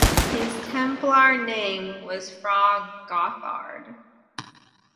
His Templar name was Fra Gotthard.